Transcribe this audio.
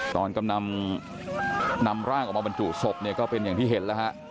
ตอนกำนำร่างออกมาบรรจุศพก็เป็นอย่างที่เห็น